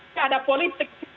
ini ada politik